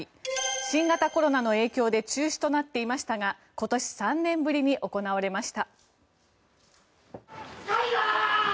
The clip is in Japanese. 新型コロナの影響で中止となっていましたが今年３年ぶりに行われました。